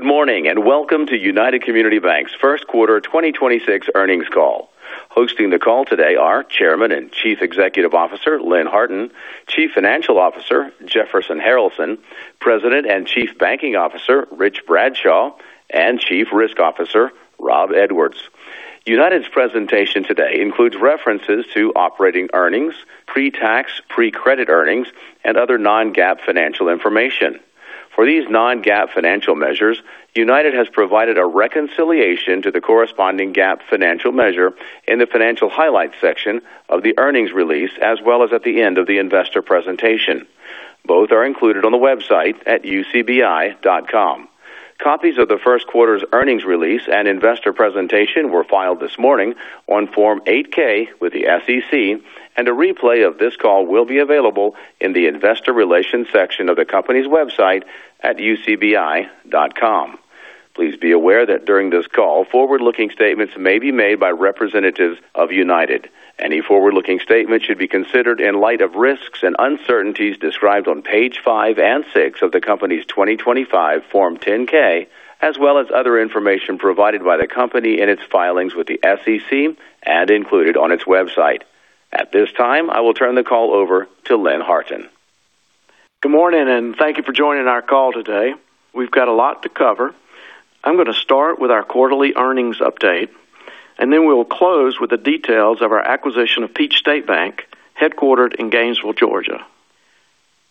Good morning, and Welcome to United Community Banks' First Quarter 2026 Earnings Call. Hosting the call today are Chairman and Chief Executive Officer, Lynn Harton, Chief Financial Officer, Jefferson Harralson, President and Chief Banking Officer, Rich Bradshaw, and Chief Risk Officer, Rob Edwards. United's presentation today includes references to operating earnings, pre-tax, pre-provision income, and other non-GAAP financial information. For these non-GAAP financial measures, United has provided a reconciliation to the corresponding GAAP financial measure in the financial highlights section of the earnings release, as well as at the end of the investor presentation. Both are included on the website at ucbi.com. Copies of the first quarter's earnings release and investor presentation were filed this morning on Form 8-K with the SEC, and a replay of this call will be available in the investor relations section of the company's website at ucbi.com. Please be aware that during this call, forward-looking statements may be made by representatives of United. Any forward-looking statement should be considered in light of risks and uncertainties described on page 5 and 6 of the company's 2025 Form 10-K, as well as other information provided by the company in its filings with the SEC and included on its website. At this time, I will turn the call over to Lynn Harton. Good morning, and thank you for joining our call today. We've got a lot to cover. I'm going to start with our quarterly earnings update, and then we'll close with the details of our acquisition of Peach State Bank, headquartered in Gainesville, Georgia.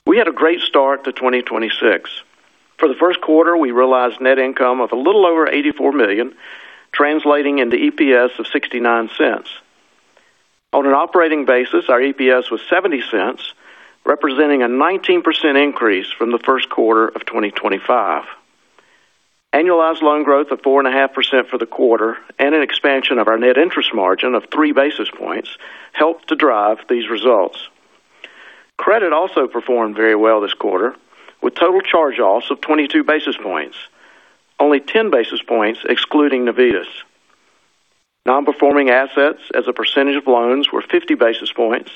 We had a great start to 2026. For the first quarter, we realized net income of a little over $84 million, translating into EPS of $0.69. On an operating basis, our EPS was $0.70, representing a 19% increase from the first quarter of 2025. Annualized loan growth of 4.5% for the quarter and an expansion of our net interest margin of three basis points helped to drive these results. Credit also performed very well this quarter, with total charge-offs of 22 basis points, only 10 basis points excluding Navitas. Non-performing assets as a percentage of loans were 50 basis points,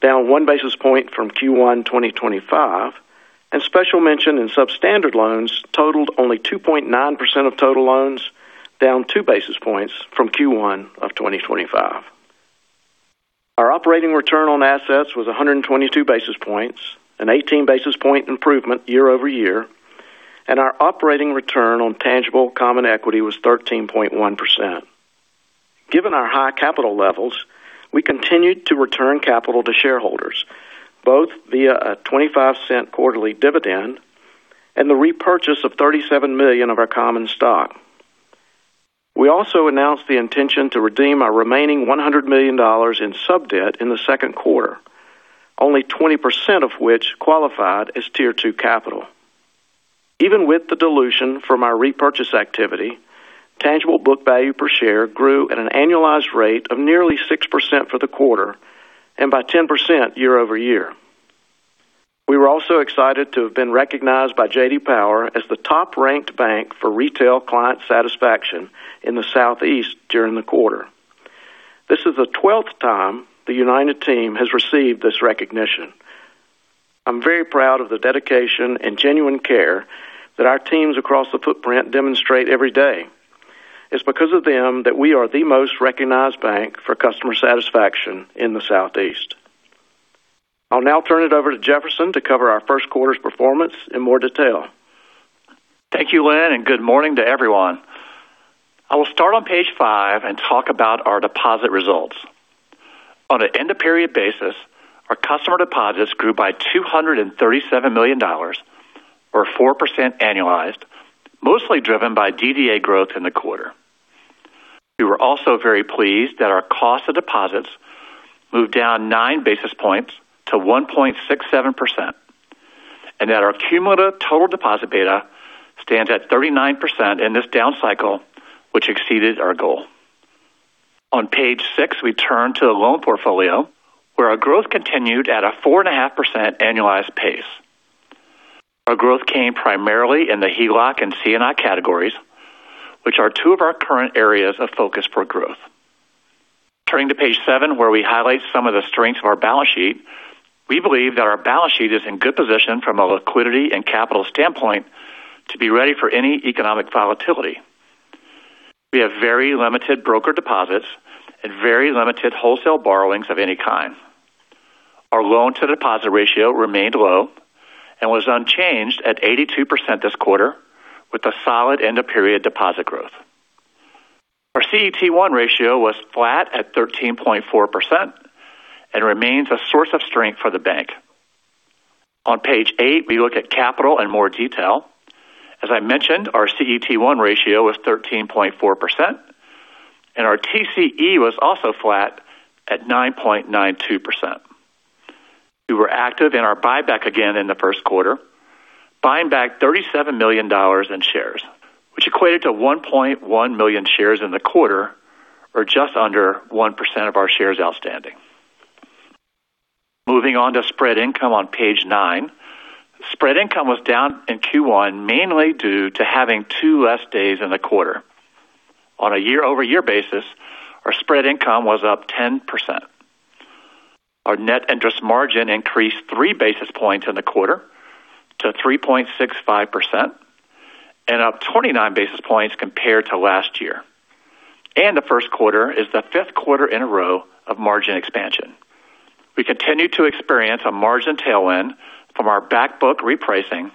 down one basis point from Q1 2025, and special mention and substandard loans totaled only 2.9% of total loans, down two basis points from Q1 of 2025. Our operating return on assets was 122 basis points, an 18 basis point improvement year over year, and our operating return on tangible common equity was 13.1%. Given our high capital levels, we continued to return capital to shareholders, both via a $0.25 quarterly dividend and the repurchase of 37 million of our common stock. We also announced the intention to redeem our remaining $100 million in sub-debt in the second quarter, only 20% of which qualified as Tier 2 capital. Even with the dilution from our repurchase activity, tangible book value per share grew at an annualized rate of nearly 6% for the quarter and by 10% year over year. We were also excited to have been recognized by J.D. Power as the top-ranked bank for retail client satisfaction in the Southeast during the quarter. This is the 12th time the United Team has received this recognition. I'm very proud of the dedication and genuine care that our teams across the footprint demonstrate every day. It's because of them that we are the most recognized bank for customer satisfaction in the Southeast. I'll now turn it over to Jefferson to cover our first quarter's performance in more detail. Thank you, Lynn, and good morning to everyone. I will start on page five and talk about our deposit results. On an end-of-period basis, our customer deposits grew by $237 million or 4% annualized, mostly driven by DDA growth in the quarter. We were also very pleased that our cost of deposits moved down nine basis points to 1.67%, and that our cumulative total deposit beta stands at 39% in this down cycle, which exceeded our goal. On page six, we turn to the loan portfolio, where our growth continued at a 4.5% annualized pace. Our growth came primarily in the HELOC and C&I categories, which are two of our current areas of focus for growth. Turning to page seven, where we highlight some of the strengths of our balance sheet, we believe that our balance sheet is in good position from a liquidity and capital standpoint to be ready for any economic volatility. We have very limited broker deposits and very limited wholesale borrowings of any kind. Our loan-to-deposit ratio remained low and was unchanged at 82% this quarter with a solid end-of-period deposit growth. Our CET1 ratio was flat at 13.4% and remains a source of strength for the bank. On page eight, we look at capital in more detail. As I mentioned, our CET1 ratio was 13.4%, and our TCE was also flat at 9.92%. We were active in our buyback again in the first quarter, buying back $37 million in shares, which equated to 1.1 million shares in the quarter or just under 1% of our shares outstanding. Moving on to spread income on page nine. Spread income was down in Q1, mainly due to having two less days in the quarter. On a year-over-year basis, our spread income was up 10%. Our net interest margin increased 3 basis points in the quarter to 3.65% and up 29 basis points compared to last year. The first quarter is the fifth quarter in a row of margin expansion. We continue to experience a margin tailwind from our back book repricing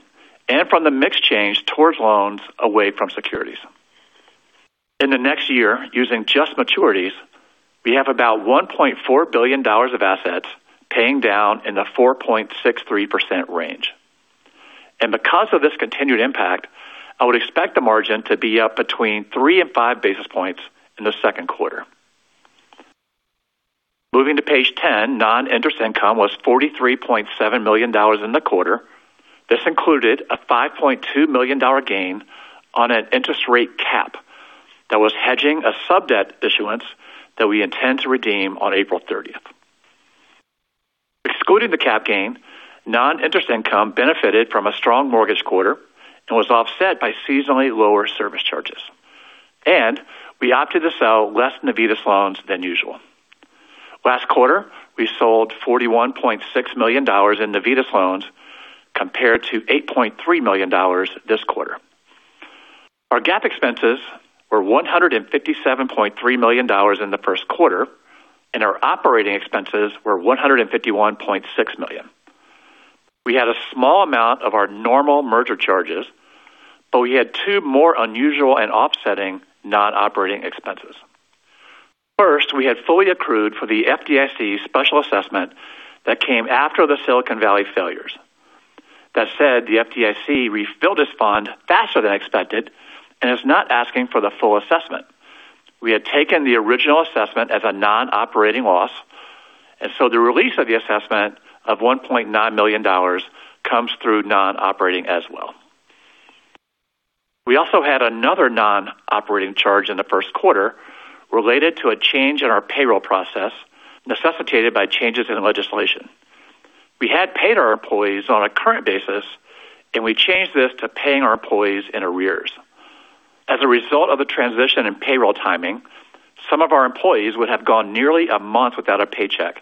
and from the mix change towards loans away from securities. In the next year, using just maturities, we have about $1.4 billion of assets paying down in the 4.63% range. Because of this continued impact, I would expect the margin to be up between 3 and 5 basis points in the second quarter. Moving to page 10, non-interest income was $43.7 million in the quarter. This included a $5.2 million gain on an interest rate cap that was hedging a sub-debt issuance that we intend to redeem on April 30th. Excluding the cap gain, non-interest income benefited from a strong mortgage quarter and was offset by seasonally lower service charges. We opted to sell less Navitas loans than usual. Last quarter, we sold $41.6 million in Navitas loans compared to $8.3 million this quarter. Our GAAP expenses were $157.3 million in the first quarter, and our operating expenses were $151.6 million. We had a small amount of our normal merger charges, but we had two more unusual and offsetting non-operating expenses. First, we had fully accrued for the FDIC special assessment that came after the Silicon Valley Bank failures. That said, the FDIC refilled its fund faster than expected and is not asking for the full assessment. We had taken the original assessment as a non-operating loss, and so the release of the assessment of $1.9 million comes through non-operating as well. We also had another non-operating charge in the first quarter related to a change in our payroll process necessitated by changes in the legislation. We had paid our employees on a current basis, and we changed this to paying our employees in arrears. As a result of the transition in payroll timing, some of our employees would have gone nearly a month without a paycheck,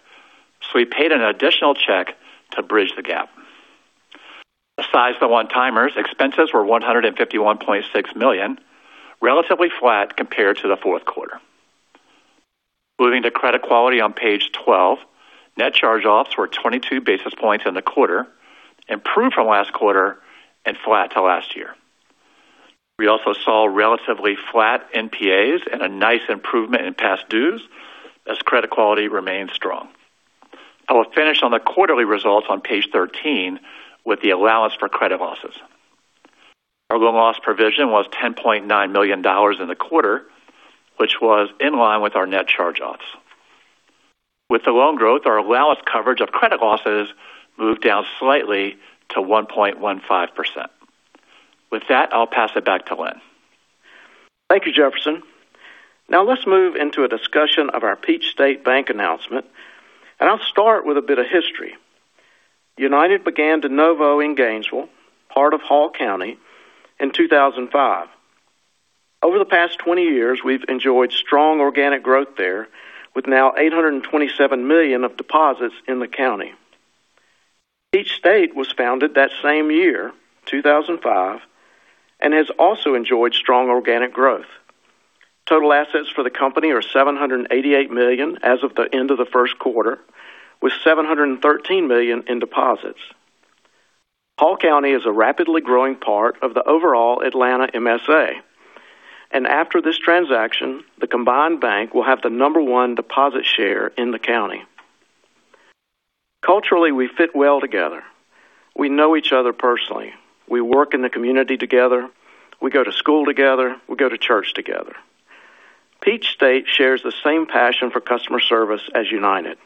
so we paid an additional check to bridge the gap. Aside from the one-timers, expenses were $151.6 million, relatively flat compared to the fourth quarter. Moving to credit quality on page 12. Net charge-offs were 22 basis points in the quarter, improved from last quarter and flat to last year. We also saw relatively flat NPAs and a nice improvement in past dues as credit quality remained strong. I will finish on the quarterly results on page 13 with the allowance for credit losses. Our loan loss provision was $10.9 million in the quarter, which was in line with our net charge-offs. With the loan growth, our allowance coverage of credit losses moved down slightly to 1.15%. With that, I'll pass it back to Lynn. Thank you, Jefferson. Now let's move into a discussion of our Peach State Bank announcement, and I'll start with a bit of history. United began de novo in Gainesville, part of Hall County, in 2005. Over the past 20 years, we've enjoyed strong organic growth there with now $827 million of deposits in the county. Peach State was founded that same year, 2005, and has also enjoyed strong organic growth. Total assets for the company are $788 million as of the end of the first quarter, with $713 million in deposits. Hall County is a rapidly growing part of the overall Atlanta MSA, and after this transaction, the combined bank will have the number one deposit share in the county. Culturally, we fit well together. We know each other personally. We work in the community together. We go to school together. We go to church together. Peach State shares the same passion for customer service as United.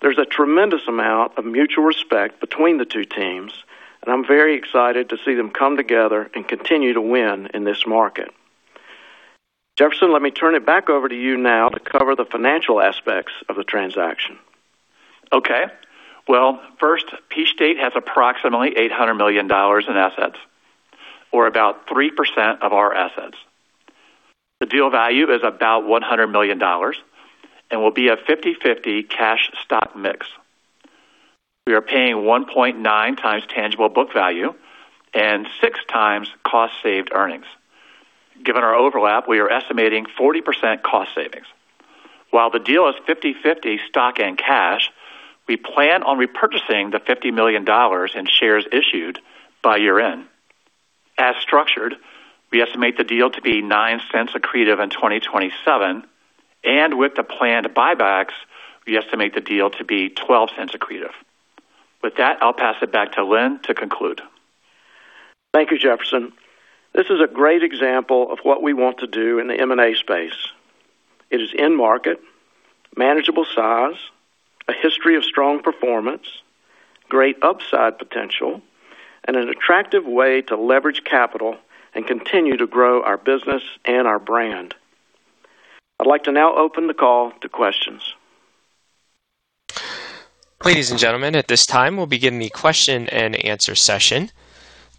There's a tremendous amount of mutual respect between the two teams, and I'm very excited to see them come together and continue to win in this market. Jefferson, let me turn it back over to you now to cover the financial aspects of the transaction. Okay. Well, first, Peach State has approximately $800 million in assets or about 3% of our assets. The deal value is about $100 million and will be a 50/50 cash stock mix. We are paying 1.9x tangible book value and 6x cost savings earnings. Given our overlap, we are estimating 40% cost savings. While the deal is 50/50 stock and cash, we plan on repurchasing the $50 million in shares issued by year-end. As structured, we estimate the deal to be $0.09 accretive in 2027, and with the planned buybacks, we estimate the deal to be $0.12 accretive. With that, I'll pass it back to Lynn to conclude. Thank you, Jefferson. This is a great example of what we want to do in the M&A space. It is in-market, manageable size, a history of strong performance, great upside potential, and an attractive way to leverage capital and continue to grow our business and our brand. I'd like to now open the call to questions. Ladies and gentlemen, at this time, we'll begin the question-and-answer session.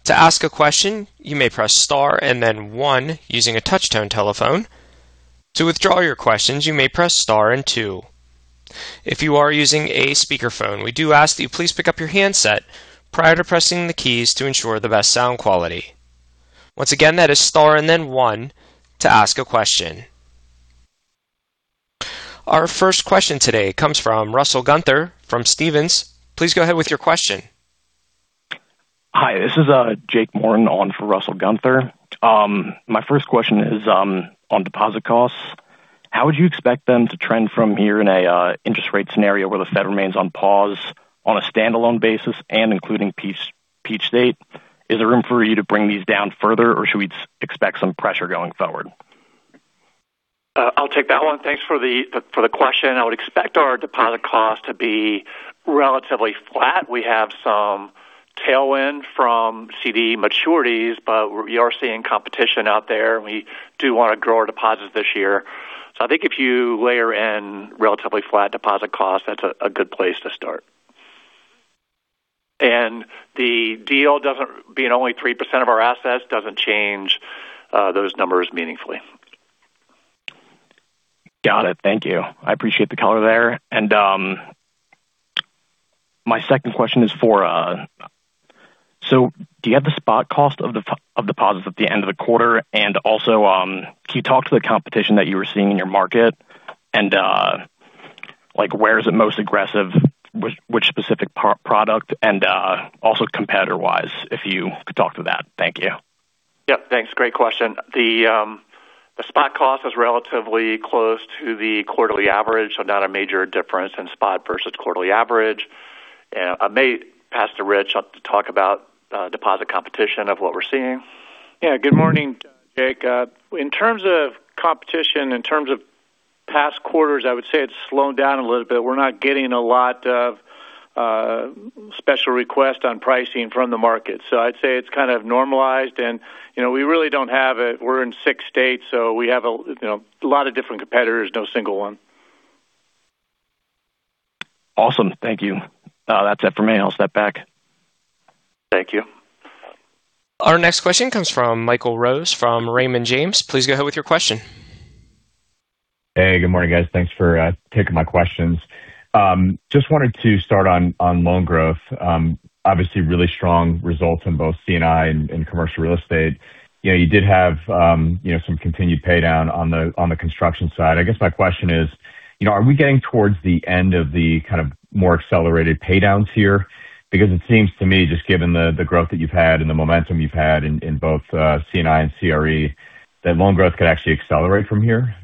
To ask a question, you may press star and then one using a touch-tone telephone. To withdraw your questions, you may press star and two. If you are using a speakerphone, we do ask that you please pick up your handset prior to pressing the keys to ensure the best sound quality. Once again, that is star and then one to ask a question. Our first question today comes from Russell Gunther from Stephens. Please go ahead with your question. Hi, this is Jake Morton on for Russell Gunther. My first question is on deposit costs. How would you expect them to trend from here in an interest rate scenario where the Fed remains on pause on a standalone basis and including Peach State? Is there room for you to bring these down further, or should we expect some pressure going forward? I'll take that one. Thanks for the question. I would expect our deposit costs to be relatively flat. We have some tailwind from CD maturities, but we are seeing competition out there, and we do want to grow our deposits this year. I think if you layer in relatively flat deposit costs, that's a good place to start. The deal being only 3% of our assets doesn't change those numbers meaningfully. Got it. Thank you. I appreciate the color there. My second question is, do you have the spot cost of deposits at the end of the quarter? And also, can you talk to the competition that you were seeing in your market, and where is it most aggressive, which specific product, and also competitor-wise, if you could talk to that? Thank you. Yep. Thanks. Great question. The spot cost is relatively close to the quarterly average, so not a major difference in spot versus quarterly average. I may pass to Rich to talk about deposit competition on what we're seeing. Yeah. Good morning, Jake. In terms of competition, in terms of past quarters, I would say it's slowed down a little bit. We're not getting a lot of special requests on pricing from the market. I'd say it's kind of normalized, and we really don't have it. We're in six states, so we have a lot of different competitors. No single one. Awesome. Thank you. That's it for me. I'll step back. Thank you. Our next question comes from Michael Rose from Raymond James. Please go ahead with your question. Hey, good morning, guys. Thanks for taking my questions. Just wanted to start on loan growth. Obviously really strong results in both C&I and commercial real estate. You did have some continued pay down on the construction side. I guess my question is, are we getting towards the end of the more accelerated pay downs here? Because it seems to me, just given the growth that you've had and the momentum you've had in both C&I and CRE, that loan growth could actually accelerate from here.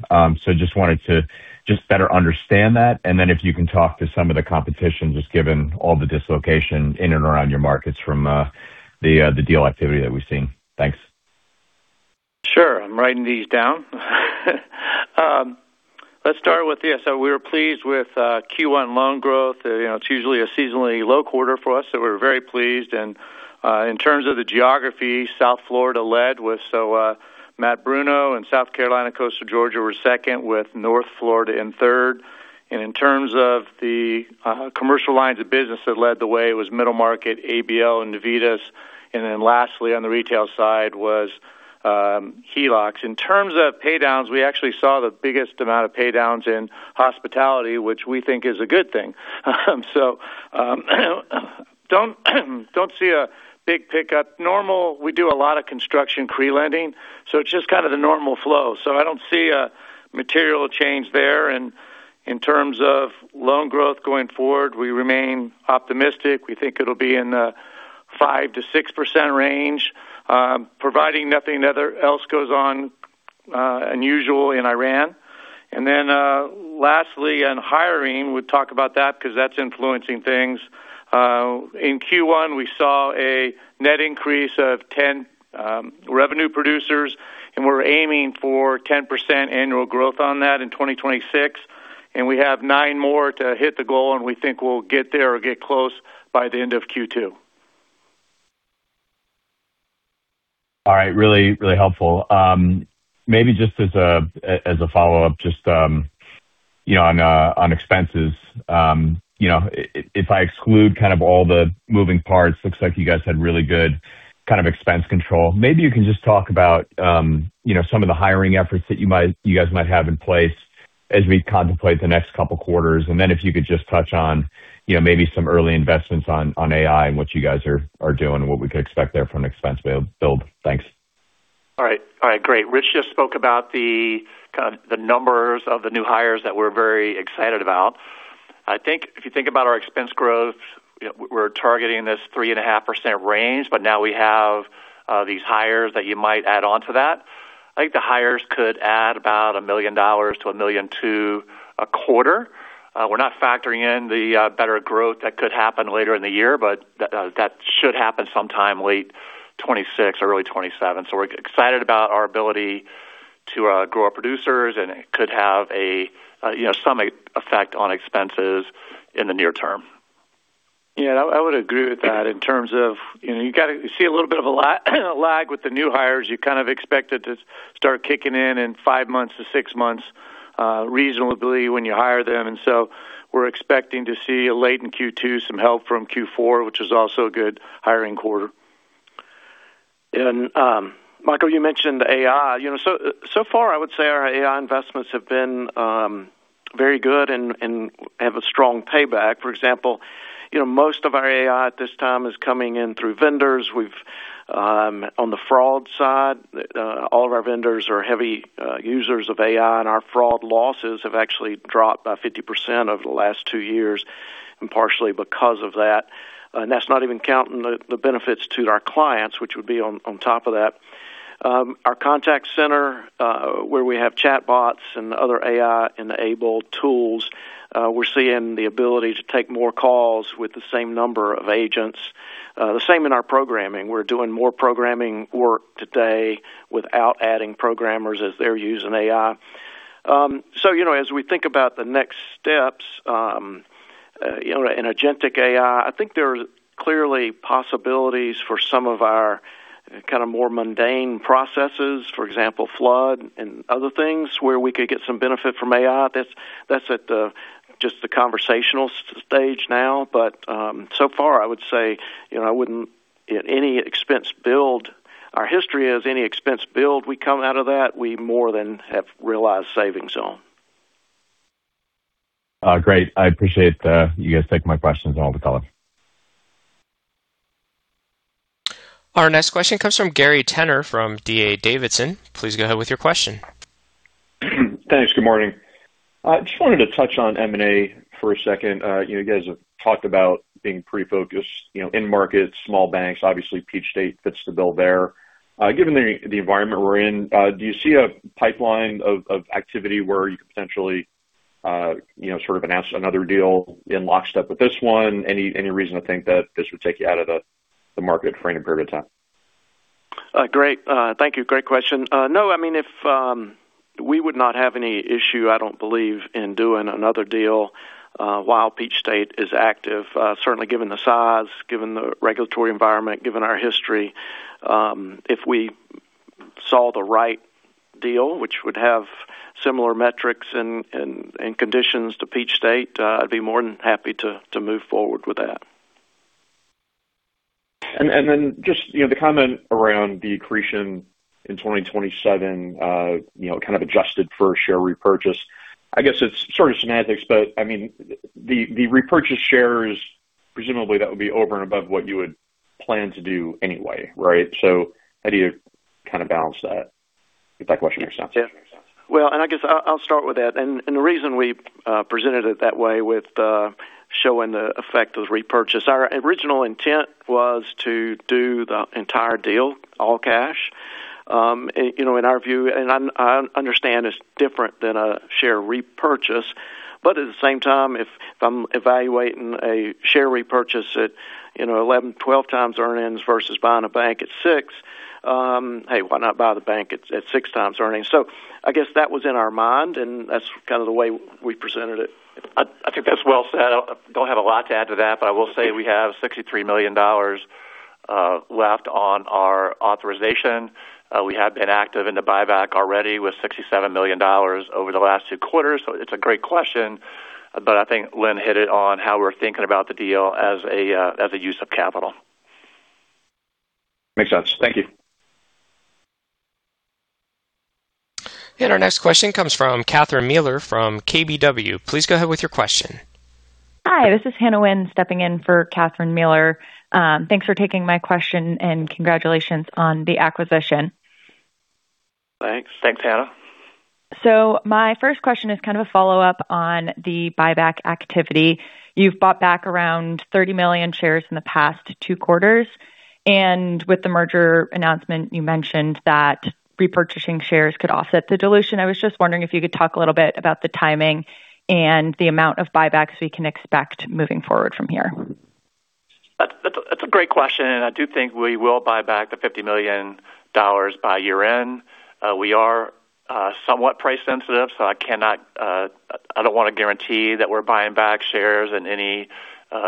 Just wanted to just better understand that, and then if you can talk to some of the competition, just given all the dislocation in and around your markets from the deal activity that we've seen. Thanks. Sure. I'm writing these down. Let's start with, yeah, we were pleased with Q1 loan growth. It's usually a seasonally low quarter for us. We're very pleased. In terms of the geography, South Florida led with Matt Bruno and South Carolina, Coastal Georgia were second, with North Florida in third. In terms of the commercial lines of business that led the way, it was middle market, ABL, and Navitas. Then lastly, on the retail side was HELOCs. In terms of pay downs, we actually saw the biggest amount of pay downs in hospitality, which we think is a good thing. We don't see a big pickup. We do a lot of construction pre-lending, so it's just kind of the normal flow. I don't see a material change there. In terms of loan growth going forward, we remain optimistic. We think it'll be in the 5%-6% range, providing nothing else goes on unusual in Iran. Then lastly, on hiring, we talk about that because that's influencing things. In Q1, we saw a net increase of 10 revenue producers, and we're aiming for 10% annual growth on that in 2026. We have nine more to hit the goal, and we think we'll get there or get close by the end of Q2. All right. Really helpful. Maybe just as a follow-up, just on expenses. If I exclude all the moving parts, looks like you guys had really good expense control. Maybe you can just talk about some of the hiring efforts that you guys might have in place as we contemplate the next couple of quarters, and then if you could just touch on maybe some early investments on AI and what you guys are doing and what we could expect there from an expense build. Thanks. All right. Great. Rich just spoke about the numbers of the new hires that we're very excited about. I think if you think about our expense growth, we're targeting this 3.5% range. Now we have these hires that you might add on to that. I think the hires could add about $1 million-$1.2 million a quarter. We're not factoring in the better growth that could happen later in the year, but that should happen sometime late 2026, early 2027. We're excited about our ability to grow our producers, and it could have some effect on expenses in the near term. Yeah, I would agree with that in terms of you see a little bit of a lag with the new hires. You kind of expect it to start kicking in in five months-six months reasonably when you hire them. We're expecting to see late in Q2 some help from Q4, which is also a good hiring quarter. Michael, you mentioned AI. So far I would say our AI investments have been very good and have a strong payback. For example, most of our AI at this time is coming in through vendors. On the fraud side, all of our vendors are heavy users of AI, and our fraud losses have actually dropped by 50% over the last two years and partially because of that. That's not even counting the benefits to our clients, which would be on top of that. Our contact center where we have chat bots and other AI-enabled tools we're seeing the ability to take more calls with the same number of agents. The same in our programming. We're doing more programming work today without adding programmers as they're using AI. As we think about the next steps in agentic AI, I think there are clearly possibilities for some of our kind of more mundane processes, for example, flood and other things where we could get some benefit from AI. That's at just the conversational stage now. So far I would say, our history is any expense build we come out of that, we more than have realized savings on. Great. I appreciate you guys taking my questions and all the color. Our next question comes from Gary Tenner from D.A. Davidson. Please go ahead with your question. Thanks. Good morning. Just wanted to touch on M&A for a second. You guys have talked about being pretty focused in markets, small banks. Obviously, Peach State fits the bill there. Given the environment we're in, do you see a pipeline of activity where you could potentially sort of announce another deal in lockstep with this one? Any reason to think that this would take you out of the market for any period of time? Great. Thank you. Great question. No, we would not have any issue, I don't believe, in doing another deal while Peach State is active. Certainly given the size, given the regulatory environment, given our history. If we saw the right deal, which would have similar metrics and conditions to Peach State, I'd be more than happy to move forward with that. Just the comment around the accretion in 2027 kind of adjusted for share repurchase. I guess it's sort of semantics, but the repurchased shares, presumably that would be over and above what you would plan to do anyway, right? How do you kind of balance that? If that question makes sense. Yeah. Well, I guess I'll start with that. The reason we presented it that way with showing the effect of repurchase, our original intent was to do the entire deal, all cash. In our view, and I understand it's different than a share repurchase, but at the same time, if I'm evaluating a share repurchase at 11, 12x earnings versus buying a bank at 6, hey, why not buy the bank at 6x earnings? I guess that was in our mind, and that's kind of the way we presented it. I think that's well said. I don't have a lot to add to that, but I will say we have $63 million left on our authorization. We have been active in the buyback already with $67 million over the last two quarters. It's a great question, but I think Lynn hit it on how we're thinking about the deal as a use of capital. Makes sense. Thank you. Our next question comes from Catherine Mealor from KBW. Please go ahead with your question. Hi, this is Hannah Wynn stepping in for Catherine Mealor. Thanks for taking my question and congratulations on the acquisition. Thanks. Thanks, Hannah. My first question is kind of a follow-up on the buyback activity. You've bought back around 30 million shares in the past two quarters, and with the merger announcement, you mentioned that repurchasing shares could offset the dilution. I was just wondering if you could talk a little bit about the timing and the amount of buybacks we can expect moving forward from here. That's a great question, and I do think we will buy back the $50 million by year-end. We are somewhat price sensitive, so I don't want to guarantee that we're buying back shares in any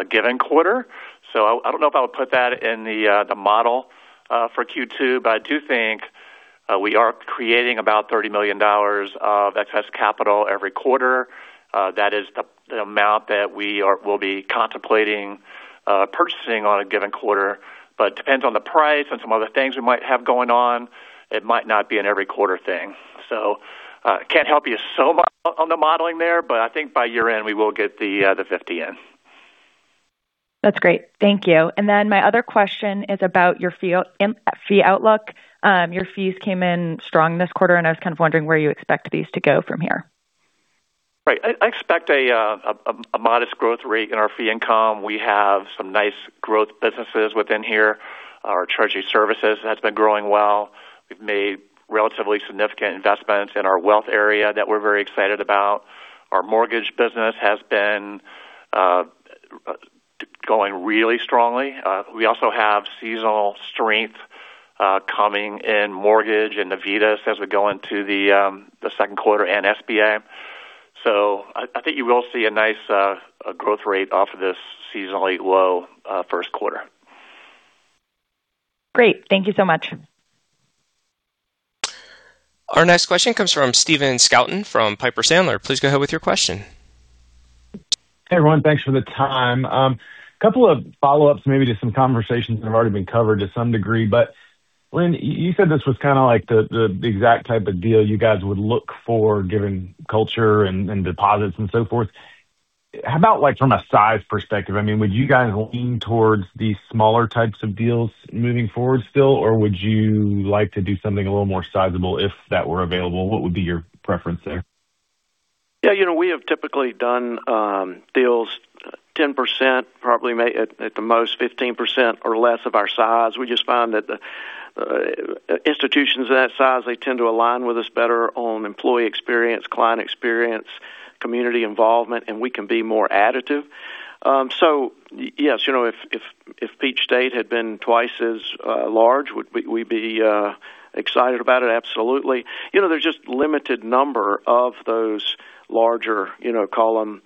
given quarter. I don't know if I would put that in the model for Q2, but I do think we are creating about $30 million of excess capital every quarter. That is the amount that we will be contemplating purchasing on a given quarter. It depends on the price and some other things we might have going on. It might not be an every quarter thing. Can't help you so much on the modeling there, but I think by year-end we will get the 50 in. That's great. Thank you. My other question is about your fee outlook. Your fees came in strong this quarter, and I was kind of wondering where you expect these to go from here. Right. I expect a modest growth rate in our fee income. We have some nice growth businesses within here. Our treasury services has been growing well. We've made relatively significant investments in our wealth area that we're very excited about. Our mortgage business has been going really strongly. We also have seasonal strength coming in mortgage and Navitas as we go into the second quarter and SBA. I think you will see a nice growth rate off of this seasonally low first quarter. Great. Thank you so much. Our next question comes from Stephen Scouten from Piper Sandler. Please go ahead with your question. Hey, everyone. Thanks for the time. Couple of follow-ups maybe to some conversations that have already been covered to some degree. Lynn, you said this was kind of like the exact type of deal you guys would look for given culture and deposits and so forth. How about from a size perspective? Would you guys lean towards these smaller types of deals moving forward still, or would you like to do something a little more sizable if that were available? What would be your preference there? Yeah, we have typically done deals 10%, probably at the most 15% or less of our size. We just find that the institutions of that size, they tend to align with us better on employee experience, client experience, community involvement, and we can be more additive. Yes, if Peach State had been twice as large, would we be excited about it? Absolutely. There's just limited number of those larger, call them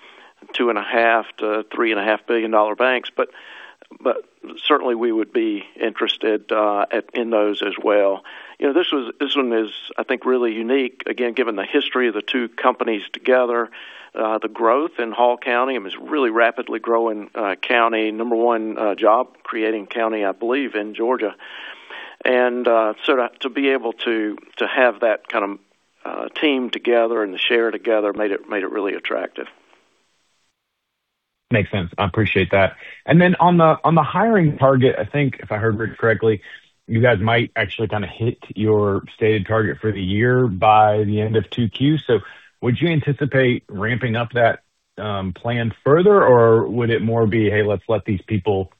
$2.5 billion-$3.5 billion banks. Certainly we would be interested in those as well. This one is, I think, really unique, again, given the history of the two companies together, the growth in Hall County. I mean, it's really rapidly growing county, number one job creating county, I believe, in Georgia. To be able to have that kind of team together and the share together made it really attractive. Makes sense. I appreciate that. On the hiring target, I think if I heard Rich correctly, you guys might actually kind of hit your stated target for the year by the end of 2Q. Would you anticipate ramping up that plan further or would it more be, "Hey, let's let these people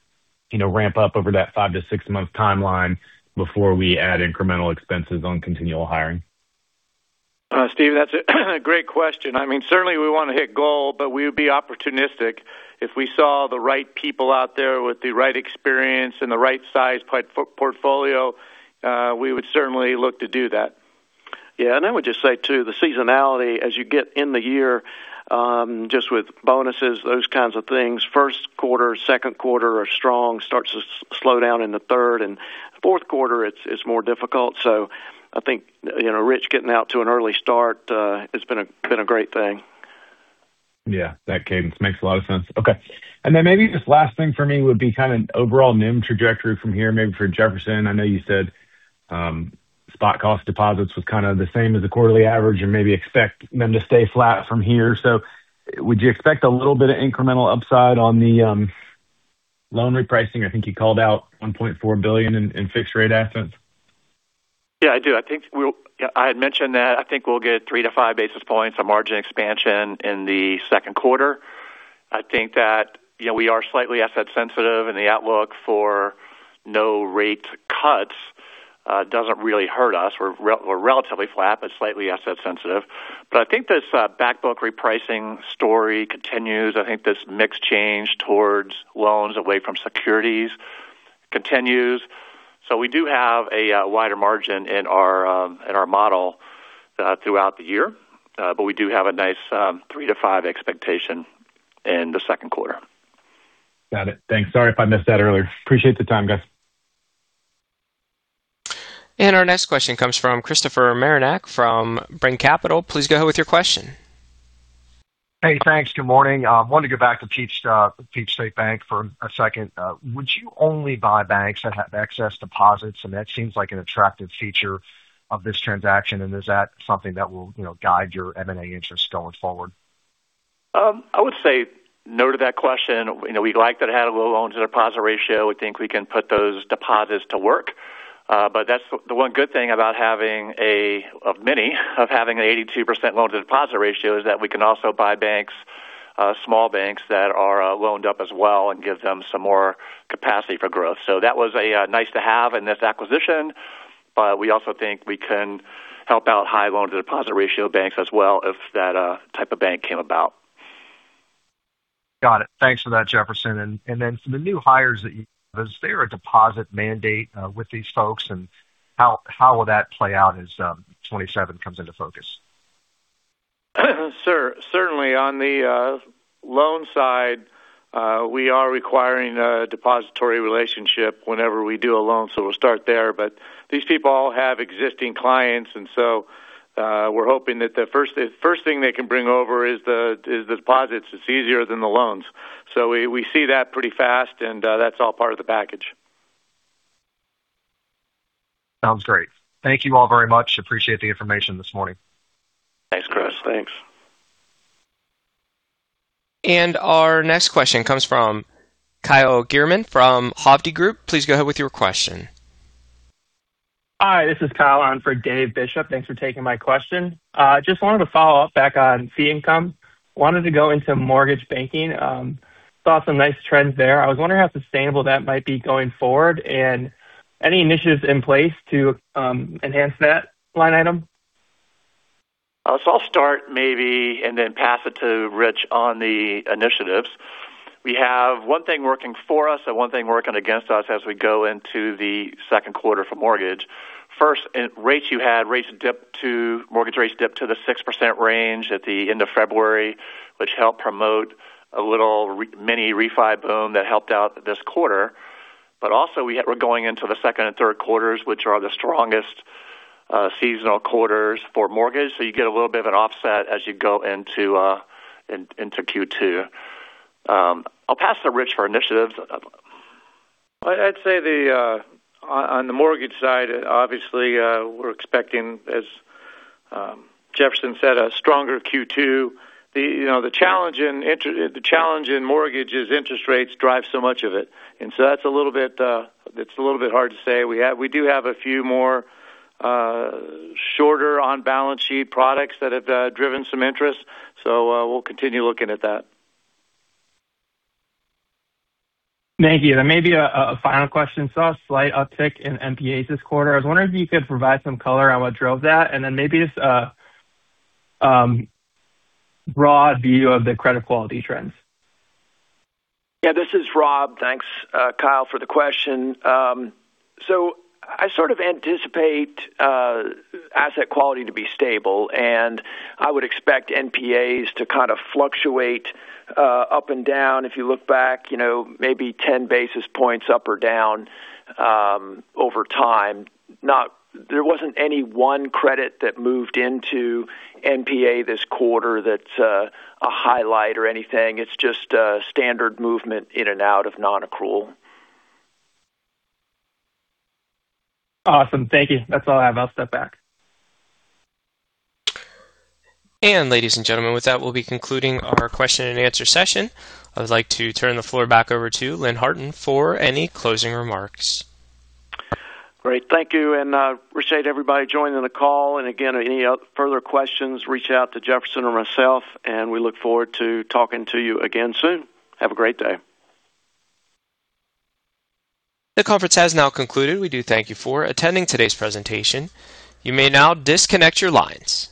ramp up over that five month-six month timeline before we add incremental expenses on continual hiring? Steve, that's a great question. Certainly we want to hit goal, but we would be opportunistic if we saw the right people out there with the right experience and the right size portfolio. We would certainly look to do that. Yeah, I would just say, too, the seasonality as you get in the year, just with bonuses, those kinds of things. First quarter, second quarter are strong. It starts to slow down in the third and fourth quarter. It's more difficult. I think Rich getting out to an early start has been a great thing. Yeah, that cadence makes a lot of sense. Okay, and then maybe just last thing for me would be kind of overall NIM trajectory from here maybe for Jefferson. I know you said spot cost deposits was kind of the same as the quarterly average and maybe expect them to stay flat from here. Would you expect a little bit of incremental upside on the loan repricing? I think you called out $1.4 billion in fixed rate assets. Yeah, I do. I had mentioned that I think we'll get 3-5 basis points of margin expansion in the second quarter. I think that we are slightly asset sensitive and the outlook for no rate cuts doesn't really hurt us. We're relatively flat but slightly asset sensitive. I think this backbone repricing story continues. I think this mix change towards loans away from securities continues. We do have a wider margin in our model throughout the year. We do have a nice 3-5 expectation in the second quarter. Got it. Thanks. Sorry if I missed that earlier. Appreciate the time, guys. Our next question comes from Christopher Marinac from Brean Capital. Please go ahead with your question. Hey, thanks. Good morning. I wanted to go back to Peach State Bank for a second. Would you only buy banks that have excess deposits? That seems like an attractive feature of this transaction. Is that something that will guide your M&A interest going forward? I would say no to that question. We like that it had a low loan-to-deposit ratio. We think we can put those deposits to work. The one good thing about having an 82% loan-to-deposit ratio is that we can also buy banks, small banks that are loaned up as well and give them some more capacity for growth. That was a nice to have in this acquisition. We also think we can help out high loan-to-deposit ratio banks as well, if that type of bank came about. Got it. Thanks for that, Jefferson. For the new hires that you have, is there a deposit mandate with these folks and how will that play out as 2027 comes into focus? Certainly on the loan side, we are requiring a depository relationship whenever we do a loan. We'll start there. These people all have existing clients, and so we're hoping that the first thing they can bring over is the deposits. It's easier than the loans. We see that pretty fast. That's all part of the package. Sounds great. Thank you all very much. Appreciate the information this morning. Thanks, Chris. Thanks. Our next question comes from Kyle Gierman from Hovde Group. Please go ahead with your question. Hi, this is Kyle on for David Bishop. Thanks for taking my question. Just wanted to follow up back on fee income, wanted to go into mortgage banking. Saw some nice trends there. I was wondering how sustainable that might be going forward and any initiatives in place to enhance that line item. I'll start maybe and then pass it to Rich on the initiatives. We have one thing working for us and one thing working against us as we go into the second quarter for mortgage. First, rates you had, mortgage rates dipped to the 6% range at the end of February, which helped promote a little mini refi boom that helped out this quarter. Also we're going into the second and third quarters, which are the strongest seasonal quarters for mortgage. You get a little bit of an offset as you go into Q2. I'll pass to Rich for initiatives. I'd say on the mortgage side, obviously, we're expecting, as Jefferson said, a stronger Q2. The challenge in mortgage is interest rates drive so much of it, and so that's a little bit hard to say. We do have a few more shorter on-balance-sheet products that have driven some interest, so we'll continue looking at that. Thank you. Maybe a final question. I saw a slight uptick in NPAs this quarter. I was wondering if you could provide some color on what drove that, and then maybe just a broad view of the credit quality trends? Yeah, this is Rob. Thanks, Kyle, for the question. I sort of anticipate asset quality to be stable, and I would expect NPAs to kind of fluctuate up and down. If you look back maybe 10 basis points up or down over time. There wasn't any one credit that moved into NPA this quarter that's a highlight or anything. It's just a standard movement in and out of non-accrual. Awesome. Thank you. That's all I have. I'll step back. Ladies and gentlemen, with that, we'll be concluding our question and answer session. I would like to turn the floor back over to Lynn Harton for any closing remarks. Great. Thank you, and I appreciate everybody joining the call. Again, any further questions, reach out to Jefferson or myself, and we look forward to talking to you again soon. Have a great day. The conference has now concluded. We do thank you for attending today's presentation. You may now disconnect your lines.